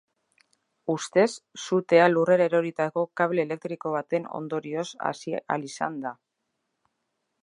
Ustez, sutea lurrera eroritako kable elektriko baten ondorioz hasi ahal izan da.